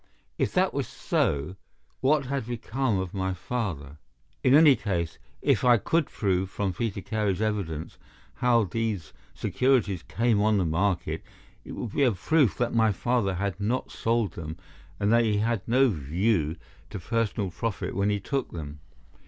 If that were so, what had become of my father? In any case, if I could prove from Peter Carey's evidence how these securities came on the market it would be a proof that my father had not sold them, and that he had no view to personal profit when he took them.